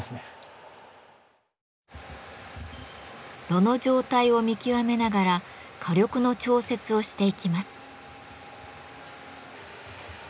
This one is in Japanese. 炉の状態を見極めながら火力の調節をしていきます。